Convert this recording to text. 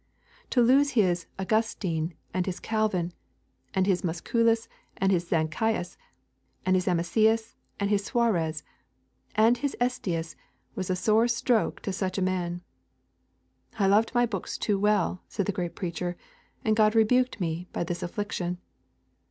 To lose his Augustine, and his Calvin, and his Musculus, and his Zanchius, and his Amesius, and his Suarez, and his Estius was a sore stroke to such a man. I loved my books too well, said the great preacher, and God rebuked me by this affliction.